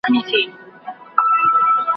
هیله لرو چي حکومت د بې وزلو غم وخوري.